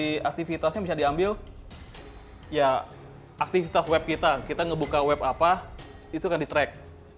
jadi aktivitasnya bisa diambil ya aktivitas web kita kita ngebuka web apa itu akan di track